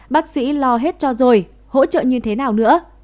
bác sĩ lo hết cho rồi hỗ trợ như thế nào nữa